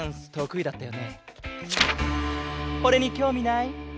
これにきょうみない？